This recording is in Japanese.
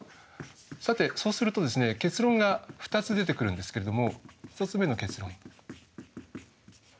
さてそうすると結論が２つ出てくるんですけれども１つ目の結論。